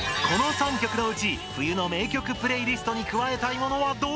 この３曲のうち冬の名曲プレイリストに加えたいものはどれ？